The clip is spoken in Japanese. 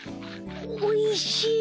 おいしい！